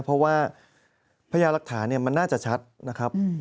เพราะว่าพญาหลักฐานมันน่าจะชัดนะครับ